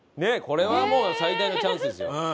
これはもう最大のチャンスですよ。